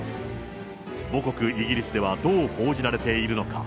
母国、イギリスではどう報じられているのか。